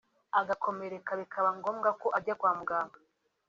agakomereka bikaba ngombwa ko ajya kwa muganga